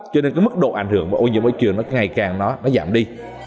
cho nên cái mức độ ảnh hưởng vào ô nhiễm môi trường ngày càng nó giảm đi